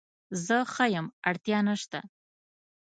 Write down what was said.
زه ښه یم اړتیا نشته